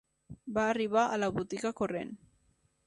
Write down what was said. Va arribar a la botiga corrent